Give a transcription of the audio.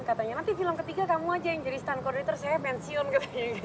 katanya nanti film ketiga kamu aja yang jadi stunt coordinator saya pensiun katanya gitu